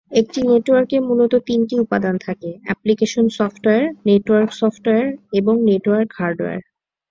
একটি নেটওয়ার্কে মূলত তিনটি উপাদান থাকে: অ্যাপ্লিকেশন সফটওয়্যার, নেটওয়ার্ক সফটওয়্যার এবং নেটওয়ার্ক হার্ডওয়্যার।